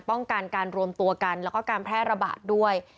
ป้องกันการรวมตัวกันแล้วก็การแพร่ระบาดด้วย